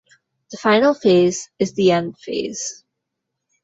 The final phase is the End phase.